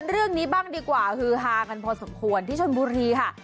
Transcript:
เรื่องนี้บ้างดีกว่าฮือฮากันพอสมควรที่ชนบุรีค่ะ